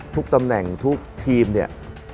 ตำแหน่งทุกทีมเนี่ย